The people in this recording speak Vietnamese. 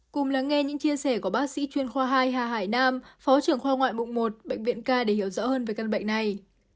cùng lắng nghe những chia sẻ của bác sĩ chuyên khoa hai hà hải nam phó trưởng khoa ngoại mụng một bệnh viện k để hiểu rõ hơn về căn bệnh này